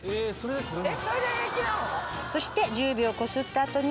そして１０秒こすった後に。